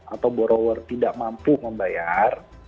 atau borrower tidak mampu membayar